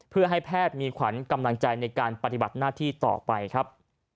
เพื่อให้แพทย์มีขวัญกำลังใจในการปฏิบัติหน้าที่ต่อไปครับ